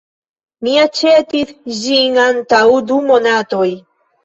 Mi aĉetis ĝin antaŭ du monatoj.